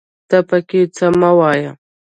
ته پکې څه مه وايه